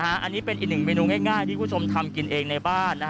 อันนี้เป็นอีกหนึ่งเมนูง่ายที่คุณผู้ชมทำกินเองในบ้าน